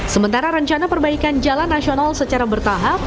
sementara rencana perbaikan jalan nasional secara bertahap